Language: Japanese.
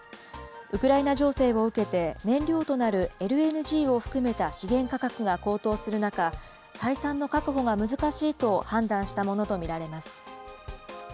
ウクライナ情勢を受けて、燃料となるＬＮＧを含めた資源価格が高騰する中、採算の確保が難しいと判断したものと見られます。